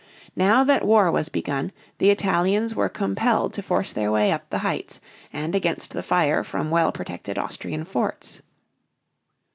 Now that war was begun, the Italians were compelled to force their way up the heights and against the fire from well protected Austrian forts.